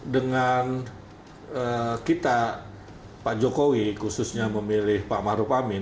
dengan kita pak jokowi khususnya memilih pak maru pamin